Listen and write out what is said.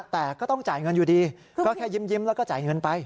แต่ก็ต้องจ่ายเงินอยู่ดีก็แค่ยิ้มแล้วก็จ่ายเงินไป